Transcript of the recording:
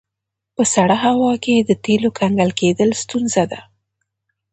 په سړه هوا کې د تیلو کنګل کیدل ستونزه ده